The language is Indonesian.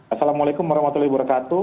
assalamualaikum warahmatullahi wabarakatuh